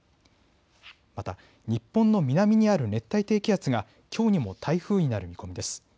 また日本の南にある熱帯低気圧がきょうにも台風になる見込みです。